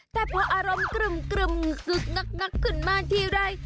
แต่พออารมณ์กรึ่มศึกงักขึ้นมาทีไร